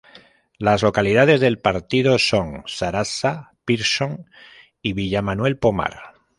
Las localidades del partido son Sarasa, Pearson y Villa Manuel Pomar.